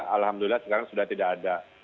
alhamdulillah sekarang sudah tidak ada